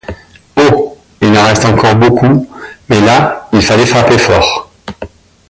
Oh, il en reste encore beaucoup, mais là il fallait frapper fort.